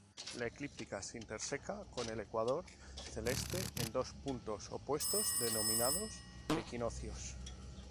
La eclíptica se interseca con el ecuador celeste en dos puntos opuestos denominados equinoccios.